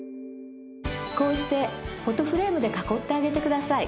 こうしてフォトフレームで囲ってあげてください。